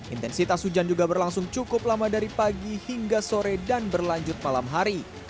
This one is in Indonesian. intensitas hujan juga berlangsung cukup lama dari pagi hingga sore dan berlanjut malam hari